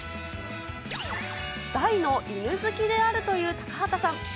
大の犬好きであるという高畑さん。